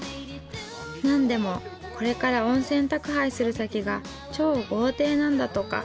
何でもこれから温泉宅配する先が超豪邸なんだとか。